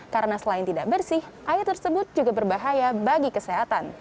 karena selain tidak bersih air tersebut juga berbahaya bagi kesehatan